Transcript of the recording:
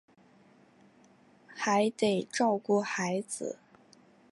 还得照顾孩子